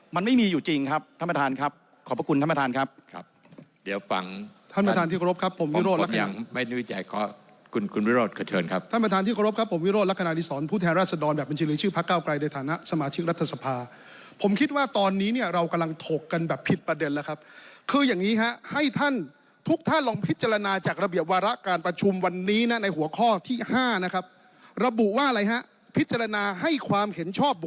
มันไม่มีอยู่จริงครับท่านประธานครับขอบพระคุณท่านประธานครับ